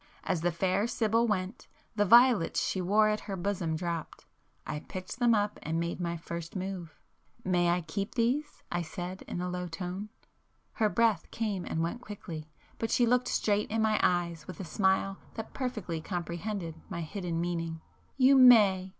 As the fair Sibyl went, the violets she wore at her bosom dropped. I picked them up and made my first move. "May I keep these?" I said in a low tone. Her breath came and went quickly,—but she looked [p 145] straight in my eyes with a smile that perfectly comprehended my hidden meaning. "You may!"